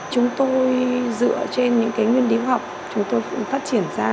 chúng tôi dựa trên những nguyên lý hóa học chúng tôi phát triển ra